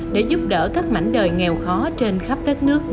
để giúp đỡ các mảnh đời nghèo khó trên khắp đất nước